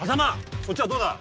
そっちはどうだ？